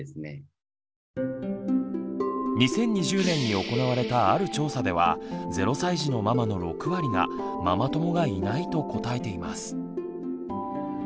２０２０年に行われたある調査では０歳児のママの６割が「ママ友がいない」と答えています。